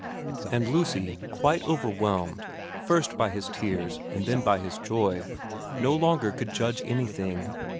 And Lucy, quite overwhelmed, first by his tears and then by his joy, no longer could judge any thing.